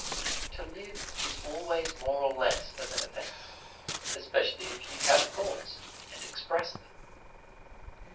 To live is always more or less of an offense, especially if you have thoughts and express them.